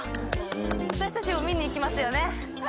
私たちも見にいきますよね